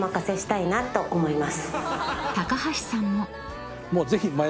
［高橋さんも］